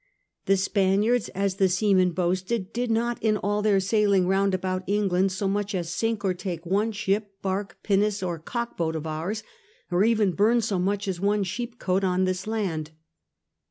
The Spaniards, as the seamen boasted, "did not in all their sailing round about England so much as sink or take one ship, bark, pinnace, or cock boat of ours, or even bum so much as one sheepcote on thi? land."